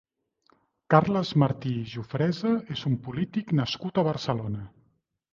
Carles Martí i Jufresa és un polític nascut a Barcelona.